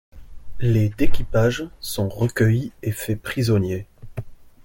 Les d'équipage sont recueillis et fait prisonniers.